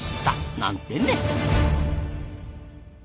なんてね。